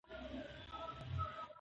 شاعر د خپل خیال په مرسته نوې نړۍ جوړوي.